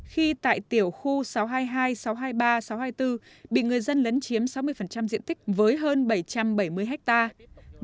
khi tại tiểu khu sáu trăm hai mươi hai sáu trăm hai mươi ba sáu trăm hai mươi bốn bị người dân lấn chiếm sáu mươi diện tích với hơn bảy trăm bảy mươi hectare